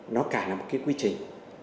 nó cả là một quy trình